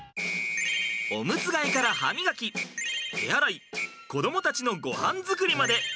おむつ替えから歯磨き手洗い子どもたちのごはん作りまで。